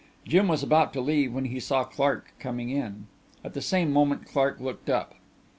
Jim was about to leave when he saw Clark coming in. At the same moment Clark looked up.